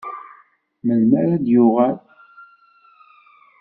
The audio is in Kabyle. Melmi ara d-yuɣal?